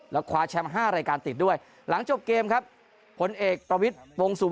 แล้วคว้าแชมป์๕รายการติดด้วยหลังจบเกมครับผลเอกประวิทย์วงสุ